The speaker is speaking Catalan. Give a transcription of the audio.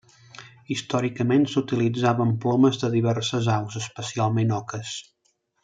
Històricament s'utilitzaven plomes de diverses aus, especialment oques.